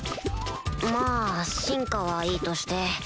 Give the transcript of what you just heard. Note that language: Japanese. まぁ進化はいいとして